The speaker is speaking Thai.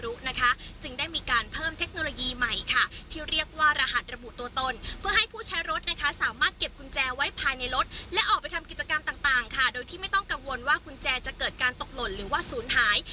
จึงได้มีการเพิ่มเทคโนโลยีใหม่ค่ะที่เรียกว่ารหัสระบุตัวตนเพื่อให้ผู้ใช้รถนะคะสามารถเก็บกุญแจไว้ภายในรถและออกไปทำกิจกรรมต่างค่ะโดยที่ไม่ต้องกังวลว่ากุญแจจะเกิดการตกหล่นหรือว่าศูนย์หาย